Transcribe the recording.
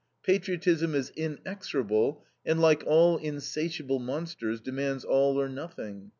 Patriotism is inexorable and, like all insatiable monsters, demands all or nothing.